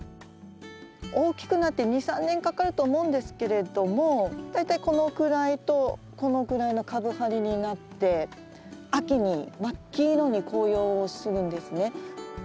大きくなって２３年かかると思うんですけれども大体このくらいとこのくらいの株張りになって秋に真っ黄色に紅葉をするんですね。